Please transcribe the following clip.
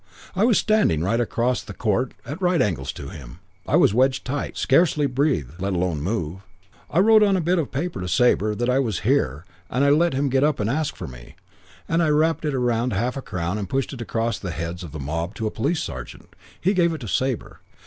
"I was standing right across the court at right angles to him. I was wedged tight. Scarcely breathe, let alone move. I wrote on a bit of paper to Sabre that I was here and let him get up and ask for me; and I wrapped it round half a crown and pushed it across the heads of the mob to a police sergeant. He gave it to Sabre.